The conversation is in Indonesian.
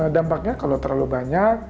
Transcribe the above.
dampaknya kalau terlalu banyak